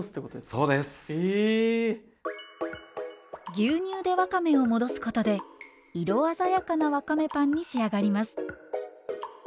牛乳でわかめを戻すことで色鮮やかなわかめパンに仕上がります。